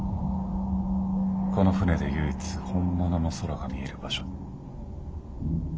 この船で唯一本物の空が見える場所。